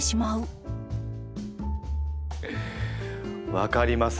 分かります。